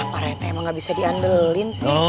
pak rete emang gak bisa diandelin sih